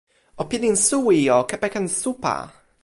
o pilin suwi o kepeken supa.